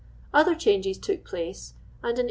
Other changi^s took place, and in l.